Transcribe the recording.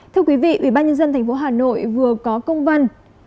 thưa quý vị ủy ban nhân dân tp hà nội vừa có công văn